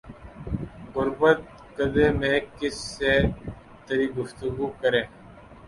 غربت کدے میں کس سے تری گفتگو کریں